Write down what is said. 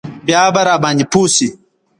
بيا به راباندې پوه سي.